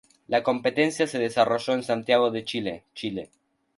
La competencia se desarrolló en Santiago de Chile, Chile.